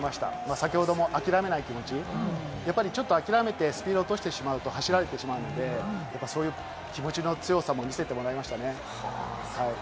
先ほどの諦めない気持ち、ちょっと諦めてスピードを落としてしまうと走られてしまうので、そういう気持ちの強さも見せてもらいましたね。